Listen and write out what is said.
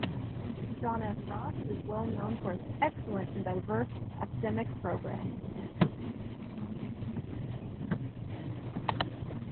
John F. Ross is well known for its excellent and diverse academic programs.